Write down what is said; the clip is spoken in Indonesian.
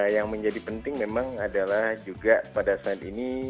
yang menjadi penting memang adalah juga pada saat ini